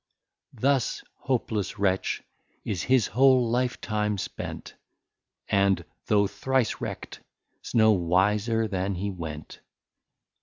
Thus, hopless Wretch, is his whole Life time spent, And though thrice Wreck't, 's no Wiser than he went.